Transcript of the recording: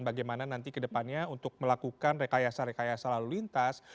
bagaimana nanti kedepannya untuk melakukan rekayasa rekayasa lalu lintas